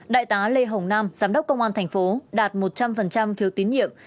đại tá lê hồng nam giám đốc công an tp hcm đạt một trăm linh phiếu tiến nhiệm